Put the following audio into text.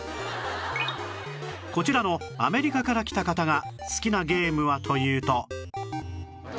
こちらのアメリカから来た方が好きなゲームはというと